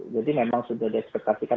jadi memang sudah di ekspektasikan